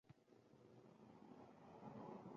Ayol erining oʻgʻli bilan Riyozga qaytdi.